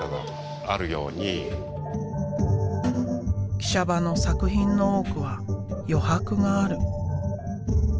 喜舎場の作品の多くは余白がある。